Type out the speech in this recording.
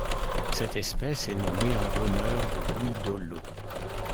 Cette espèce est nommée en l'honneur de Louis Dollo.